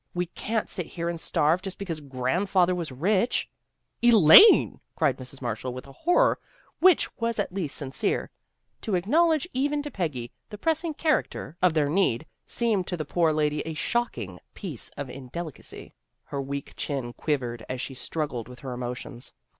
We can't sit here and starve, just because grandfather was rich." " Elaine! " cried Mrs. Marshall with a horror which was at least sincere. To acknowledge, even to Peggy, the pressing character of their 278 THE GIRLS OF FRIENDLY TERRACE need, seemed to the poor lady a shocking piece of indelicacy. Her weak chin quivered, as she struggled with her emotions.